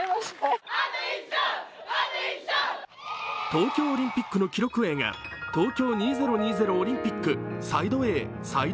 東京オリンピックの記録映画「東京２０２０オリンピックＳＩＤＥ：Ａ／ＳＩＤＥ：Ｂ」